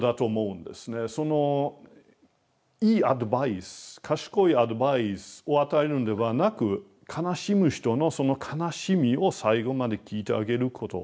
そのいいアドバイス賢いアドバイスを与えるんではなく悲しむ人のその悲しみを最後まで聞いてあげることしかないんですね。